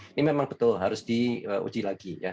ini memang betul harus diuji lagi ya